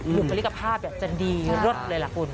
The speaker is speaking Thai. อยู่บริกภาพจะดีแรบเลยละคุณ